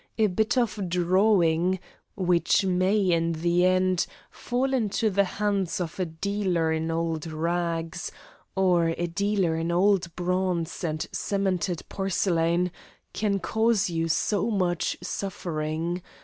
A bit of drawing, which may in the end fall into the hands of a dealer in old rags, or a dealer in old bronze and cemented porcelain, can cause you so much suffering!"